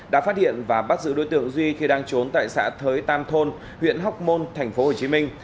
đã phát hiện và bắt giữ đối tượng duy khi đang trốn tại xã thới tam thôn huyện hóc môn thành phố hồ chí minh